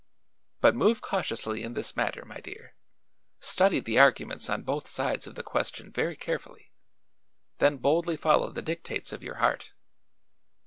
But move cautiously in this matter, my dear. Study the arguments on both sides of the question very carefully; then boldly follow the dictates of your heart.